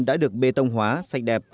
đã được bê tông hóa sạch đẹp